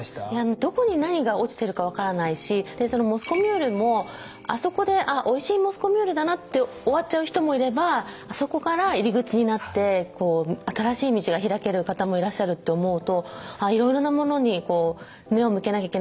どこに何が落ちてるか分からないしそのモスコミュールもあそこでおいしいモスコミュールだなで終わっちゃう人もいればあそこから入り口になって新しい道が開ける方もいらっしゃるって思うといろいろなものに目を向けなきゃいけないなと。